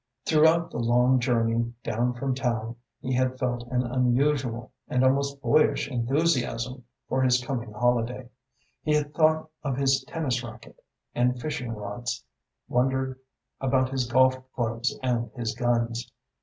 Throughout the long journey down from town, he had felt an unusual and almost boyish enthusiasm for his coming holiday. He had thought of his tennis racquet and fishing rods, wondered about his golf clubs and his guns.